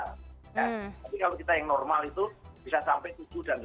tapi kalau kita yang normal itu bisa sampai tujuh dan delapan